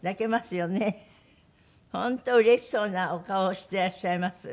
本当うれしそうなお顔をしていらっしゃいます。